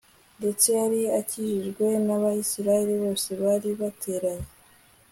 ndetse yari akikijwe nAbisirayeli bose bari bateranye